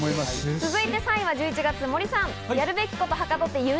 続いて３位は１１月、森さん。